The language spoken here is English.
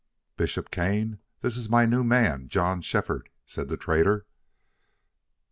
"Bishop Kane, this is my new man, John Shefford," said the trader.